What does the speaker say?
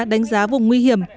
đánh giá vùng nguy hiểm